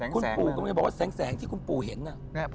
คุณปูก็ไม่บอกว่าแสงที่คุณปูเห็นนะ